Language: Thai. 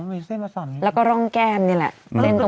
แล้วก็ร่องแก้มนี่แหละ